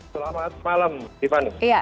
selamat malam tiffany